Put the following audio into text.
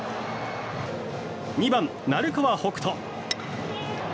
２番、鳴川北斗。